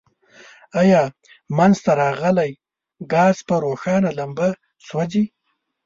آیا منځ ته راغلی ګاز په روښانه لمبه سوځیږي؟